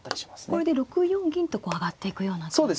これで６四銀とこう上がっていくような感じですか。